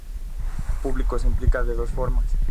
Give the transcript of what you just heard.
El público se implica de dos formas.